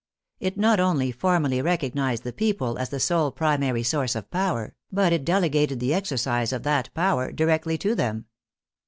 It not only formally recognized the people as the sole primary source of power, but it delegated the exercise of that power directly to them.